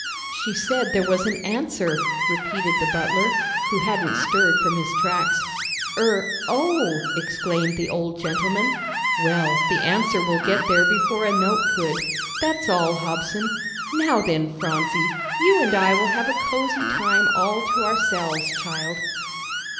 "She said there was an answer," repeated the butler, who hadn't stirred from his tracks. "Er oh," exclaimed the old gentleman. "Well, the answer will get there before a note could. That's all, Hobson. Now then, Phronsie, you and I will have a cosey time all to ourselves, child."